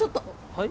はい？